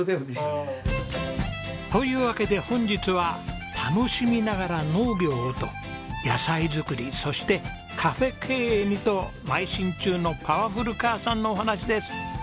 うん。というわけで本日は「楽しみながら農業を」と野菜作りそしてカフェ経営にとまい進中のパワフル母さんのお話です。